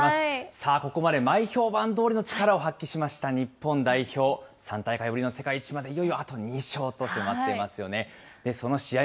さあ、ここまで前評判どおりの力を発揮しました日本代表、３大会ぶりの世界一までいよいよあと２勝と迫っていますよね。